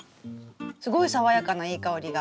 すごい爽やかないい香りが。